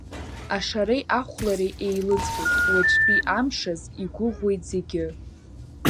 Ашареи ахәлареи еилыҵуеит, уаҵәтәи амшаз игәыӷуеит зегьы.